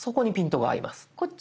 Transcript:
こっち？